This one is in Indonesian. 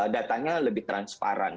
datanya lebih transparan